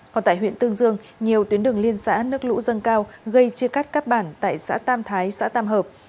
còn tại huyện tương dương nhiều tuyến đường liên xã nước lũ dâng cao gây chia cắt các bản tại xã tam thái xã tam hợp